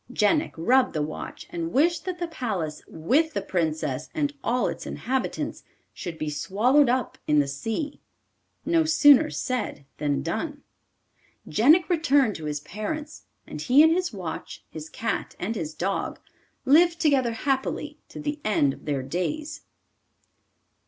Jenik rubbed the watch and wished that the palace, with the Princess and all its inhabitants, should be swallowed up in the sea. No sooner said than done. Jenik returned to his parents, and he and his watch, his cat and his dog, lived together happily to the end of their days.